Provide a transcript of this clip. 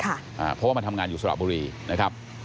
เพราะว่ามันทำงานอยู่สระบุรีนะครับ